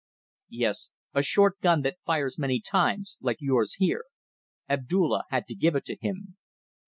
"Yes; a short gun that fires many times like yours here. Abdulla had to give it to him."